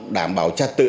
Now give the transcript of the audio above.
đảm bảo trạc tự